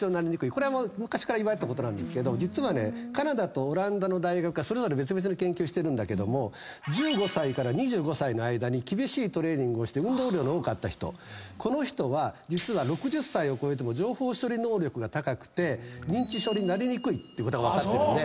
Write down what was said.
これは昔からいわれてたけど実はカナダとオランダの大学が別々に研究してるんだけども１５歳から２５歳の間に厳しいトレーニングをして運動量の多かった人この人は６０歳を超えても情報処理能力が高くて認知症になりにくいってことが分かってるんで。